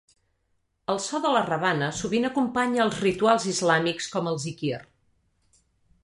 El so de la rebana sovint acompanya els rituals islàmics com el Zikir.